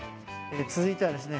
続いてはですね